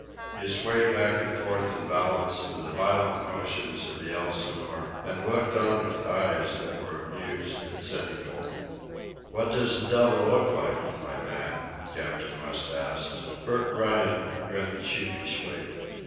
He swayed back and forth in balance to the violent motions of the Elsinore and looked on with eyes that were amused and cynical. "What does the devil look like, my man?" Captain West asked. Bert Rhine grinned sheepishly.